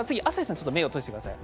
ちょっと目を閉じてください。